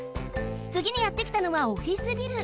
つぎにやってきたのはオフィスビル。